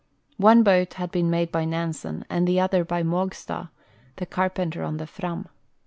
One boat had been made by Nansen and the otlier by Mogstad, the carpenter on the Fram.